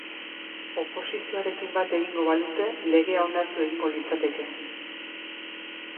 Oposizioarekin bat egingo balute legea onartu egingo litzateke.